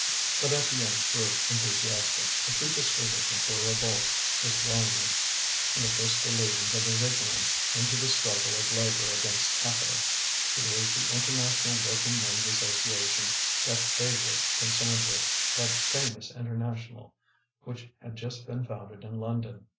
But Étienne grew enthusiastic. A predisposition for revolt was throwing him, in the first illusions of his ignorance, into the struggle of labour against capital. It was the International Working Men's Association that they were concerned with, that famous International which had just been founded in London.